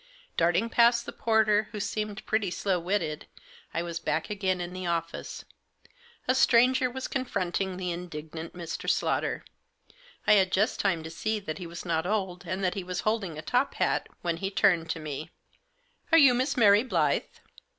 Darting past the porter, who seemed pretty slow witted, I was back again in the office. A stranger was confronting the indignant Mr. Slaughter. I had just time to see that he was not old, and that he was holding a top hat, when he turned to me. 3 * Digitized by 86 THE JOSS. " Are you Miss Mary Blyth ?